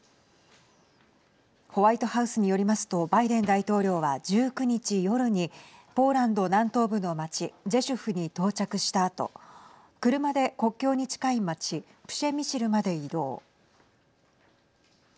ホワイトハウスによりますとバイデン大統領は１９日夜にポーランド南東部の町ジェシュフに到着したあと車で国境に近い町プシェミシルまで移動。